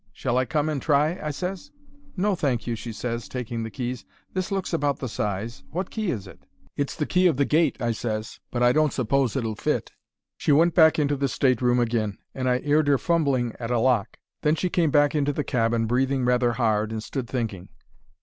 'Shall I come and try?' I ses. "'No, thank you,' she ses, taking the keys. 'This looks about the size. What key is it?' "'It's the key of the gate,' I ses, 'but I don't suppose it'll fit.' "She went back into the state room agin, and I 'eard her fumbling at a lock. Then she came back into the cabin, breathing rather hard, and stood thinking.